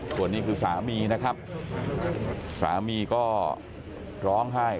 ส่วนนี้คือสามีนะครับสามีก็ร้องไห้